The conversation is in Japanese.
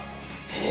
え？